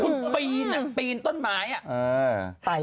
รุ่นคุณปีนต้นไม้